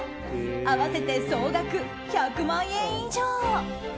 合わせて総額１００万円以上。